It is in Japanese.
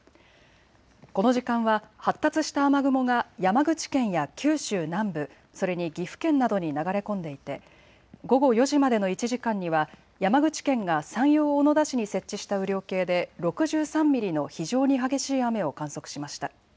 この時間は発達した雨雲が山口県や九州南部、それに岐阜県などに流れ込んでいて午後４時までの１時間には山口県が山陽小野田市に設置した雨量計で６３ミリの非常に激しい雨を観測しました。